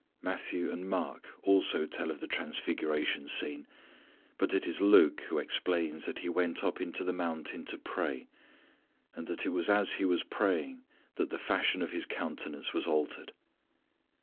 Matthew and Mark also tell of the transfiguration scene, but it is Luke who explains that He went up into the mountain to pray, and that it was as He was praying that the fashion of His countenance was altered.